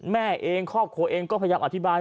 แม่เองครอบครัวเองก็พยายามอธิบาย